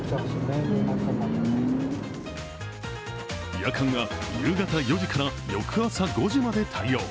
夜間は夕方４時から翌朝５時まで対応。